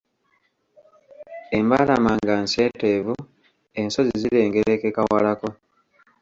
Embalama nga nseeteevu, ng'ensozi zirengerekeka walako.